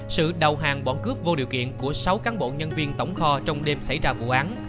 sự đầu hàng bọn cướp vô điều kiện của sáu cán bộ nhân viên tổng kho trong đêm xảy ra vụ án